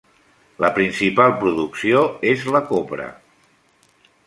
La principal producció és la copra.